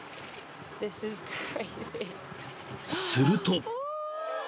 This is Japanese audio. ［すると］